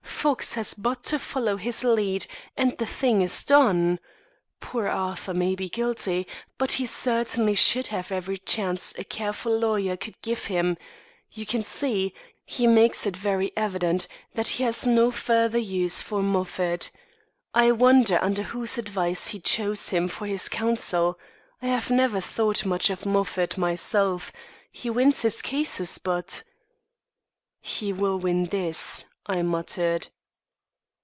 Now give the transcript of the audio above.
Fox has but to follow his lead, and the thing is done. Poor Arthur may be guilty, but he certainly should have every chance a careful lawyer could give him. You can see he makes it very evident that he has no further use for Moffat. I wonder under whose advice he chose him for his counsel. I have never thought much of Moffat, myself. He wins his cases but " "He will win this," I muttered.